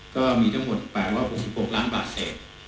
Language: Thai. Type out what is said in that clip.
ก็มีทั้งหมด๘๖๖ล้านบาทเศษ